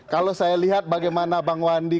kalau saya lihat bagaimana bang wandi